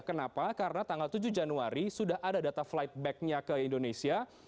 kenapa karena tanggal tujuh januari sudah ada data flight back nya ke indonesia